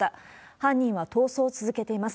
犯人は逃走を続けています。